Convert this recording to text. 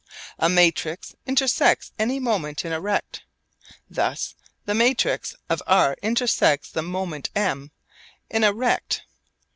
A matrix intersects any moment in a rect. Thus the matrix of r intersects the moment M in a rect ρ.